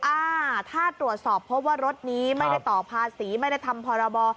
อ่าถ้าตรวจสอบพบว่ารถนี้ไม่ได้ต่อภาษีไม่ได้ทำพรบ